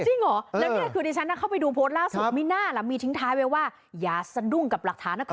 จริงเหรอแล้วนี่คือดิฉันเข้าไปดูโพสต์ล่าสุดไม่น่าล่ะมีทิ้งท้ายไว้ว่าอย่าสะดุ้งกับหลักฐานนะก่อน